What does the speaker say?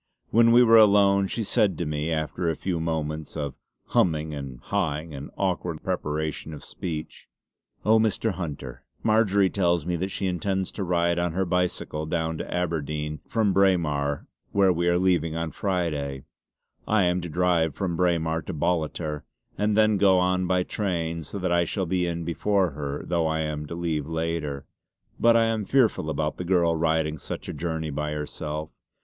When we were alone she said to me after a few moments of 'hum'ing and 'ha'ing and awkward preparation of speech: "Oh Mr. Hunter, Marjory tells me that she intends to ride on her bicycle down to Aberdeen from Braemar where we are going on Friday. I am to drive from Braemar to Ballater and then go on by train so that I shall be in before her, though I am to leave later. But I am fearful about the girl riding such a journey by herself.